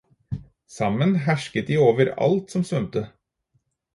Sammen hersket de over alt som svømte.